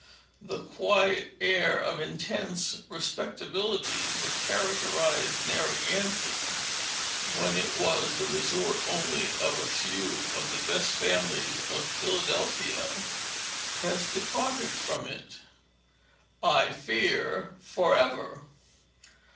The quiet air of intense respectability that characterized Narragansett when it was the resort only of a few of the best families of Philadelphia has departed from it I fear forever!